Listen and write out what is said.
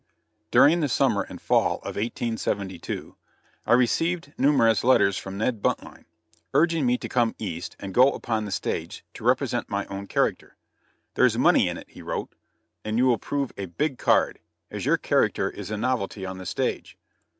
During the summer and fall of 1872, I received numerous letters from Ned Buntline, urging me to come East and go upon the stage to represent my own character. "There's money in it," he wrote, "and you will prove a big card, as your character is a novelty on the stage."